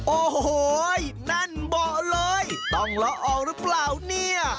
โอ้โหนั่นเบาะเลยต้องละออกหรือเปล่าเนี่ย